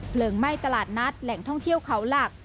ไหม้ตลาดนัดแหล่งท่องเที่ยวเขาหลัก